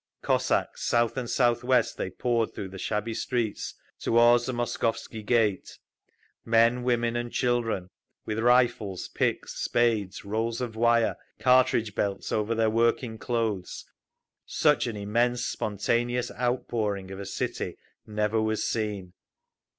Cossacks! South and southwest they poured through the shabby streets toward the Moskovsky Gate, men, women and children, with rifles, picks, spades, rolls of wire, cartridge belts over their working clothes…. Such an immense, spontaneous outpouring of a city never was seen!